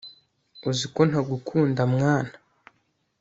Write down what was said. uziko nta gukunda mwana